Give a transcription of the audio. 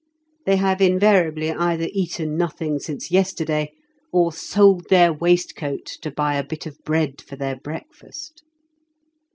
They have invariably either eaten nothing since yesterday, or sold their waist coat to buy a bit of bread for their breakfast.